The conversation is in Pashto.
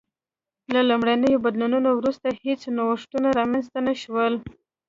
له لومړنیو بدلونونو وروسته هېڅ نوښتونه رامنځته نه شول